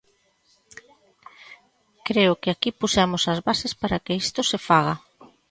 Creo que aquí puxemos as bases para que isto se faga.